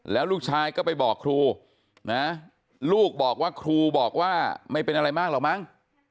แล้วลูกชายก็ไปบอกครูนะลูกบอกว่าครูบอกว่าไม่เป็นอะไรมากหรอกมั้ง